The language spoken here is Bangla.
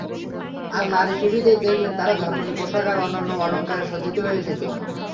আর নারী শিশুদের দেখলেন, তারা ঝলমলে পোষাক আর অনন্য অলংকারে সজ্জিত হয়ে এসেছে।